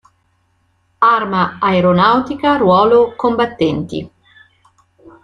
Arma Aeronautica Ruolo Combattenti.